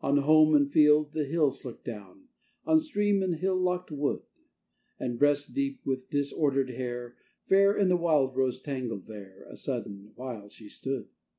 On home and field the hills look down, On stream and hill locked wood; And breast deep, with disordered hair, Fair in the wildrose tangle there, A sudden while she stood.